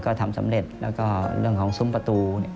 ก็ทำสำเร็จแล้วก็เรื่องของซุ้มประตู